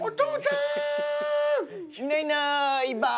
いないいないばあ。